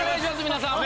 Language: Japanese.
皆さん。